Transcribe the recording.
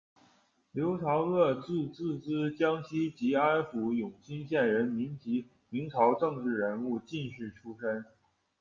刘朝噩，字质之，江西吉安府永新县人，民籍，明朝政治人物、进士出身。